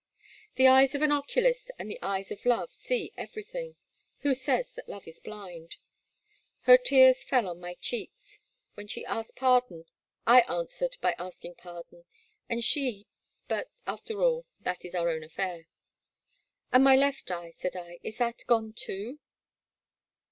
The eyes of an oculist and the eyes of love see everything. Who says that love is blind ? Her tears fell on my cheeks ; when she asked pardon, I answered by asking pardon, and she — but, after all, that is our own a^fiEdr. And my left eye,'* saia I, is that gone, too?''